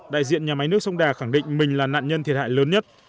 đại diện nhà máy nước sông đà khẳng định mình là nạn nhân thiệt hại lớn nhất